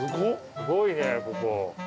すごいねここ。